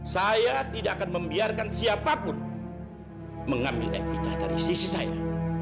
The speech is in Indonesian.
saya tidak akan membiarkan siapapun mengambil etika dari sisi saya